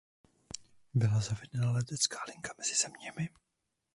Byla zavedena letecká linka mezi zeměmi.